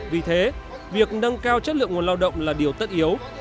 vì thế việc nâng cao chất lượng nguồn lao động là điều tất yếu